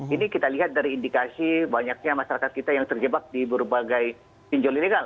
ini kita lihat dari indikasi banyaknya masyarakat kita yang terjebak di berbagai pinjol ilegal